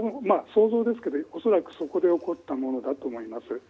想像ですけど、恐らくそこで起こったものだと思います。